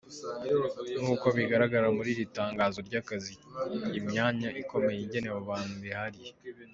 Nk'uko bigaragara muri iri tangazo ry'akazi imyanya ikomeye igenewe abantu bihariye.